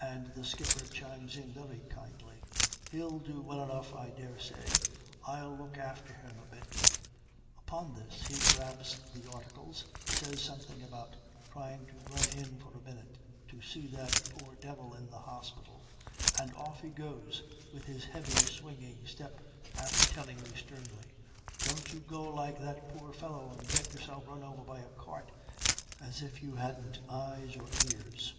"And the skipper chimes in very kindly: "He'll do well enough I dare say. I'll look after him a bit." "Upon this he grabs the Articles, says something about trying to run in for a minute to see that poor devil in the hospital, and off he goes with his heavy swinging step after telling me sternly: "Don't you go like that poor fellow and get yourself run over by a cart as if you hadn't either eyes or ears."